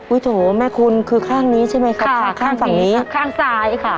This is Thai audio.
โถแม่คุณคือข้างนี้ใช่ไหมครับขาข้างฝั่งนี้ข้างซ้ายค่ะ